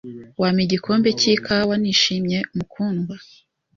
"Wampa igikombe cy'ikawa?" "Nishimye, mukundwa."